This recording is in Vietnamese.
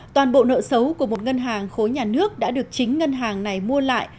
toàn bộ nợ xấu của một ngân hàng khối nhà nước đã được chính ngân hàng này mua lại